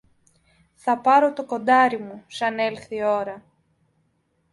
Θα πάρω το κοντάρι μου, σαν έλθει η ώρα.